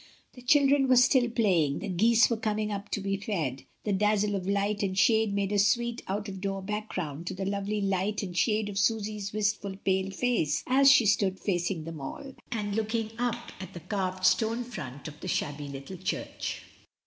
The children were still playing, the geese were coming up to be fed, the dazzle of light and shade made a sweet out of door background to the lovely light and shade of Susy's wistful pale face as she stood facing them all, and looking up at the carved stone front of the shabby little church.